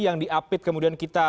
yang diapit kemudian kita